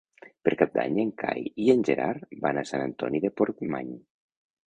Per Cap d'Any en Cai i en Gerard van a Sant Antoni de Portmany.